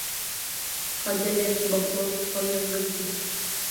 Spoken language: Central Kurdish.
قەدەرێک بە کۆڵ هەڵیانگرتم